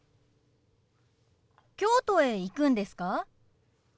京都へ行くんですか？